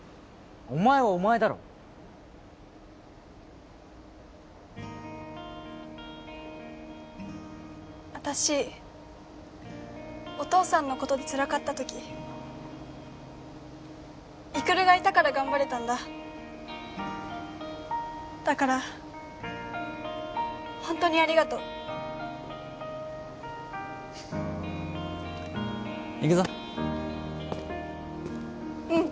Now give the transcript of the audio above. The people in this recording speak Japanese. お前はお前だろ私お父さんのことで辛かったとき育がいたから頑張れたんだだからホントにありがとう行くぞうん